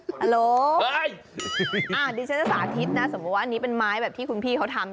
ครับอัลโหลเฮ้ยดิฉันจะสาธิตนะสมมุติว่าอันนี้เป็นไม้แบบที่คุณพี่เขาทำ